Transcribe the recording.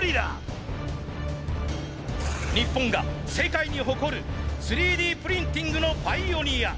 日本が世界に誇る３Ｄプリンティングのパイオニア。